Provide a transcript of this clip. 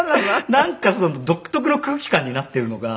なんか独特の空気感になってるのが。